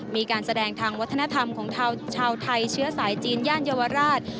มีการแสดงทางวัฒนธรรมของชาวไทยเชื้อสายจีนย่านเยาวราช